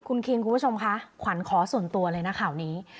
คุณคิงคุณผู้ชมคะขวัญขอส่วนตัวเลยนะข่าวนี้